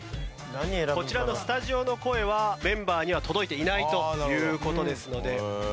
こちらのスタジオの声はメンバーには届いていないという事ですので。